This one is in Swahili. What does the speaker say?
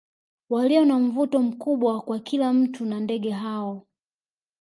Walio na mvuto mkubwa kwa kila mtu na ndege hao